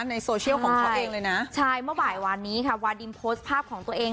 ในโซเชียลของเขาเองเลยนะใช่เมื่อบ่ายวานนี้ค่ะวาดิมโพสต์ภาพของตัวเอง